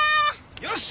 よし。